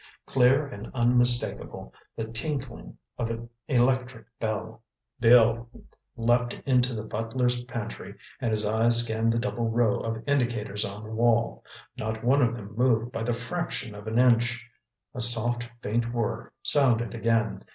Clear and unmistakable, the tinkling of an electric bell. Bill leapt into the butler's pantry and his eyes scanned the double row of indicators on the wall. Not one of them moved by the fraction of an inch. A soft, faint whir sounded again.